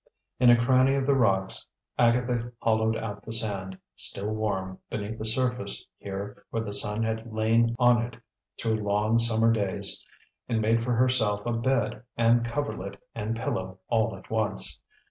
In a cranny of the rocks Agatha hollowed out the sand, still warm beneath the surface here where the sun had lain on it through long summer days, and made for herself a bed and coverlet and pillow all at once.